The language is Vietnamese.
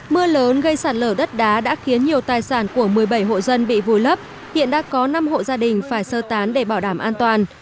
mưa lớn gây sạt lở đất đá đã khiến nhiều tài sản của một mươi bảy hộ dân bị vùi lấp hiện đã có năm hộ gia đình phải sơ tán để bảo đảm an toàn